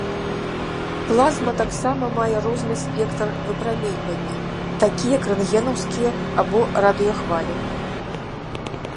Плазма таксама мае розны спектр выпраменьвання, такі як рэнтгенаўскія або радыёхвалі.